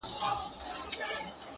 سپوږمۍ هغې ته په زاریو ویل !